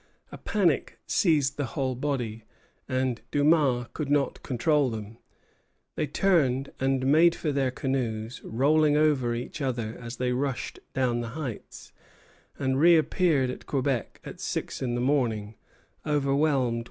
A panic seized the whole body, and Dumas could not control them. They turned and made for their canoes, rolling over each other as they rushed down the heights, and reappeared at Quebec at six in the morning, overwhelmed with despair and shame.